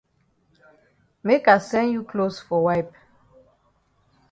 Make I send you closs for wipe.